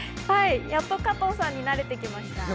はい、やっと加藤さんに慣れてきました。